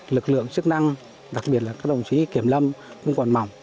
lực lượng chức năng đặc biệt là các đồng chí kiểm lâm không còn mỏng